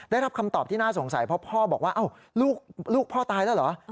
ได้รับคำตอบที่น่าสงสัยเพราะพ่อบอกว่าลูกพ่อตายแล้วเหรอ